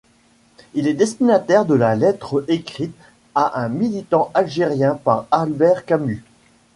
Il est destinataire de la lettre écrite à un militant algérien par Albert Camus.